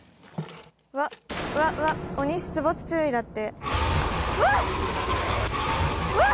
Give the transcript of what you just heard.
うわっうわっうわっ鬼出没注意だってわっ！